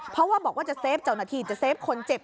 เพราะว่าบอกว่าจะเฟฟเจ้าหน้าที่จะเฟฟคนเจ็บ